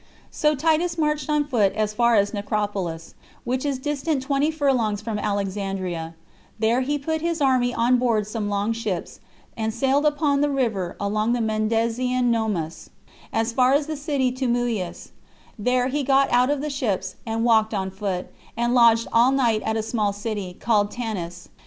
So Titus marched on foot as far as Nicopolis, which is distant twenty furlongs from Alexandria; there he put his army on board some long ships, and sailed upon the river along the Mendesian Nomus, as far as the city Tumuis; there he got out of the ships, and walked on foot, and lodged all night at a small city called Tanis.